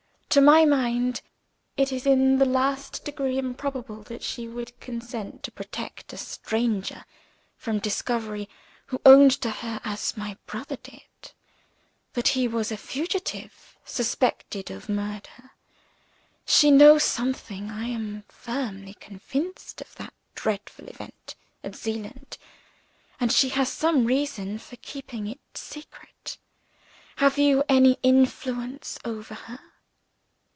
To my mind, it is in the last degree improbable that she would consent to protect a stranger from discovery, who owned to her (as my brother did) that he was a fugitive suspected of murder. She knows something, I am firmly convinced, of that dreadful event at Zeeland and she has some reason for keeping it secret. Have you any influence over her?"